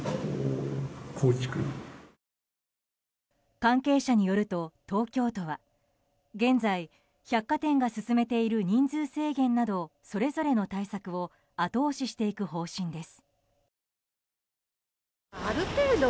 関係者によると東京都は現在、百貨店が進めている人数制限など、それぞれの対策を後押ししていく方針です。